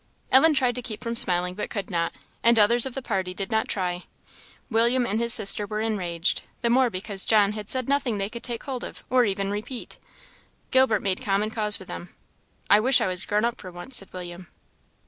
Ellen tried to keep from smiling, but could not; and others of the party did not try. William and his sister were enraged, the more because John had said nothing they could take hold of, or even repeat. Gilbert made common cause with them. "I wish I was grown up for once," said William.